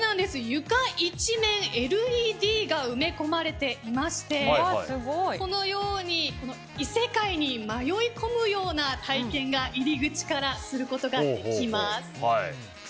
床一面、ＬＥＤが埋め込まれていましてこのように異世界に迷い込むような体験が入り口からすることができます。